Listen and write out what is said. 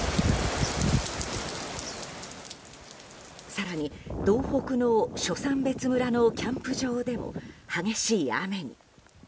更に道北の初山別村のキャンプ場でも激しい雨に。